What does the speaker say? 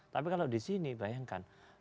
tapi kalau di sini bayangkan